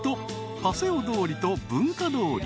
［パセオ通りと文化通り］